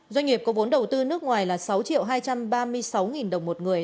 doanh nghiệp có vốn đầu tư nước ngoài là sáu hai trăm ba mươi sáu nghìn đồng một người